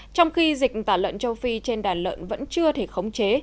trong khi dịch tả lợn châu phi trên đàn lợn vẫn chưa thể khống chế